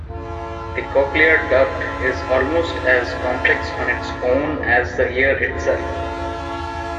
The cochlear duct is almost as complex on its own as the ear itself.